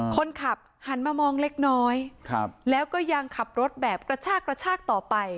คนขับหันมามองเล็กน้อยแล้วก็ยังขับรถแบบกระชากกระชากต่อไป